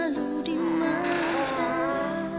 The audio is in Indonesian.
nggak ada anak yang